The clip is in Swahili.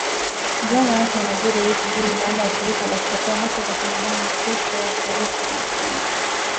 Ziara yake inajiri wiki mbili baada ya shirika la kutetea haki za binadamu kuto taarifa ikisema